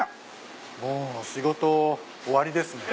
もう仕事終わりですね。